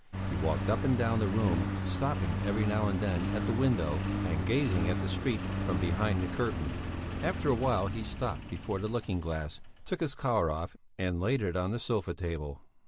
He walked up and down the room, stopping every now and then at the window and gazing at the street from behind the curtain. After a while he stopped before the looking glass, took his collar off and laid it on the sofa table.